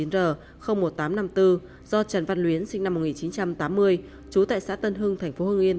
do trần văn luyến sinh năm một nghìn chín trăm tám mươi trú tại xã tân hưng tp hương yên